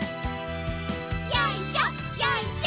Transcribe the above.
よいしょよいしょ。